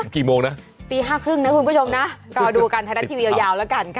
กี่โมงนะตี๕๓๐นะคุณผู้ชมนะรอดูกันไทยรัฐทีวียาวแล้วกันค่ะ